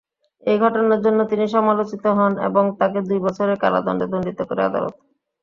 এই ঘটনার জন্য তিনি সমালোচিত হন এবং তাকে দুই বছরের কারাদণ্ডে দণ্ডিত করে আদালত।